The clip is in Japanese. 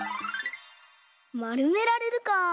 「まるめられる」か。